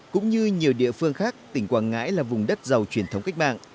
cũng như nhiều địa phương khác tỉnh quảng ngãi là vùng đất giàu truyền thống cách mạng